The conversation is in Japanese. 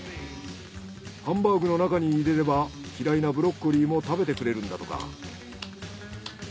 ハンバーグの中に入れれば嫌いなブロッコリーも食べてくれるんだとか。